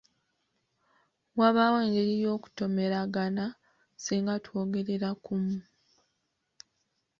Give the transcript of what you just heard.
Wabaawo engeri y'okutomeragana singa twogerera kumu.